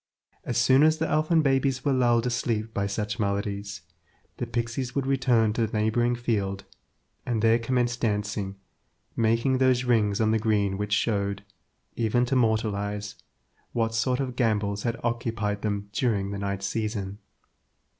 As soon as the elfin babes were lulled asleep by such melodies, the pixies would return to the neighbouring field, and there commence dancing, making those rings on the green which showed, even to mortal eyes, what sort of gambols had occupied them during the night season.